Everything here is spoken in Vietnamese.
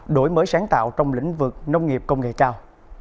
đổi mới sáng tạo trong lĩnh vực nông nghiệp công nghệ cao